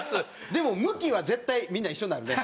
でも向きは絶対みんな一緒になるね。